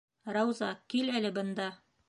Рауза, кил әле бында!